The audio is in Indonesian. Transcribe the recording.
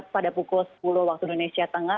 pada pukul sepuluh waktu indonesia tengah